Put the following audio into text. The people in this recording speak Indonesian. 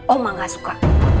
oma gak suka